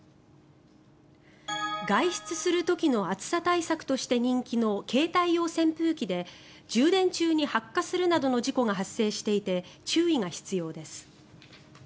外出する時の暑さ対策として人気の携帯用扇風機で充電中に発火するなどの事故が発生していて注意が必要です。